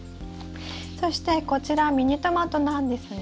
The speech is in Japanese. そしてこちらミニトマトなんですが。